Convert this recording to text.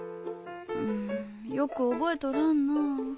んよく覚えとらんなぁ。